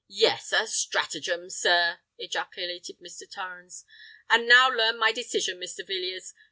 "Yes—a stratagem, sir!" ejaculated Mr. Torrens. "And now learn my decision, Mr. Villiers!